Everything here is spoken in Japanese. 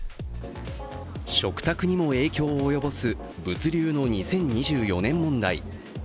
食卓にも影響を及ぼす、物流の２０２４年問題。